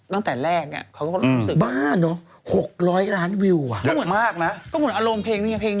ตั้งแต่แรกเนี่ยเขาก็ยังรู้สึก